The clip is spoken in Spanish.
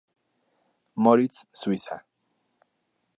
Moritz, Suiza.